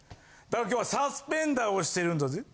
だから今日はサスペンダーをしてるんだぜ。